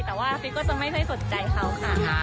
แต่ว่าฉันก็เองก็ไม่ใช่สนใจเขาค่ะ